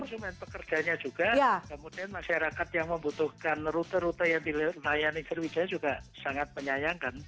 terima kasih banyak juga konsumen pekerjanya juga kemudian masyarakat yang membutuhkan rute rute yang dilayani sriwidaya juga sangat menyayangkan